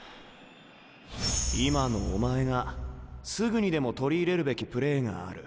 今のお前がすぐにでも取り入れるべきプレーがある。